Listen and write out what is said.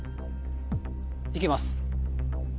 いきます。